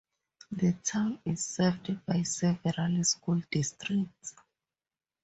The town is served by several school districts.